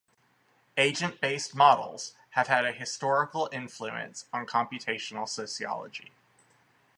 Agent-based models have had a historical influence on Computational Sociology.